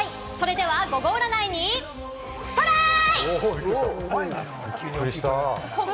それではゴゴ占いにトライ！